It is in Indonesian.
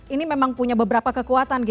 ini memang punya beberapa kekuatan